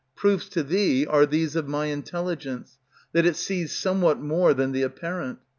Proofs to thee are these of my intelligence, That it sees somewhat more than the apparent.